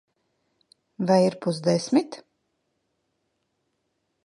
Vai ir pusdesmit?